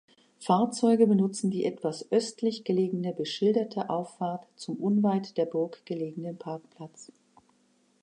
Fahrzeuge benutzen die etwas östlich gelegene beschilderte Auffahrt zum unweit der Burg gelegenen Parkplatz.